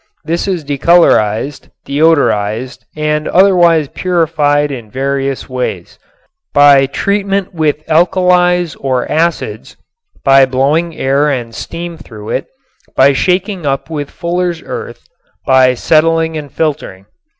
This is decolorized, deodorized and otherwise purified in various ways: by treatment with alkalies or acids, by blowing air and steam through it, by shaking up with fuller's earth, by settling and filtering.